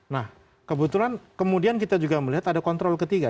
nah kebetulan kemudian kita juga melihat ada kontrol ketiga